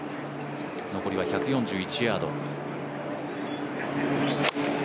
残りは１４１ヤード。